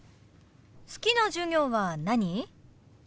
好きな授業は何？